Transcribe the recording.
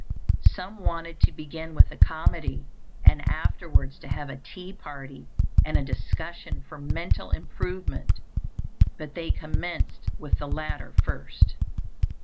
Some wanted to begin with a comedy, and afterwards to have a tea party and a discussion for mental improvement, but they commenced with the latter first.